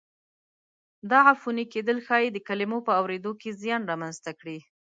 دا عفوني کېدل ښایي د کلمو په اورېدو کې زیان را منځته کړي.